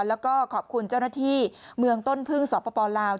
แล้วก็ขอบคุณเจ้าหน้าที่เมืองต้นพึ่งสปลาว